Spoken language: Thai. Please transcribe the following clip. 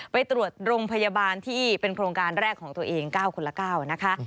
ไปตรวจโรงพยาบาลที่เป็นโครงการแรกของตัวเอง๙คนละ๙นะคะ